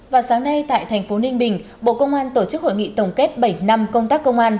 và sáng nay tại thành phố ninh bình bộ công an tổ chức hội nghị tổng kết bảy năm công tác công an